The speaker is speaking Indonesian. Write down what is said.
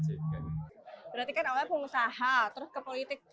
berarti kan awalnya pengusaha terus ke politik